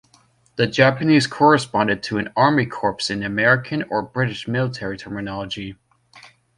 The Japanese corresponded to an army corps in American or British military terminology.